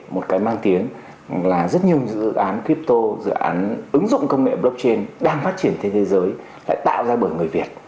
một cái mang tiếng là rất nhiều dự án quebto dự án ứng dụng công nghệ blockchain đang phát triển trên thế giới lại tạo ra bởi người việt